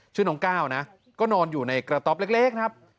ชื่อน้องก้าวนะก็นอนอยู่ในกระต๊อบเล็กครับ